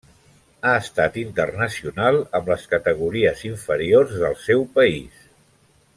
Ha estat internacional amb les categories inferiors del seu país.